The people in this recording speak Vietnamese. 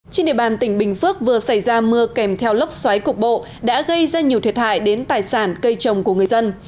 trên địa bàn tỉnh bình phước vừa xảy ra mưa kèm theo lốc xoáy cục bộ đã gây ra nhiều thiệt hại đến tài sản cây trồng của người dân